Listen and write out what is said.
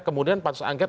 kemudian patus angket